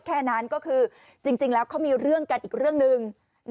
แค่นั้นก็คือจริงแล้วเขามีเรื่องกันอีกเรื่องหนึ่ง